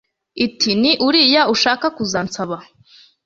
iti 'ni uriya ushaka kuzansaba